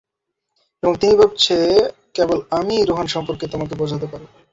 এবং তিনি ভাবছে কেবল আমিই রোহান সম্পর্কে, তোমাকে বোঝাতে পারি।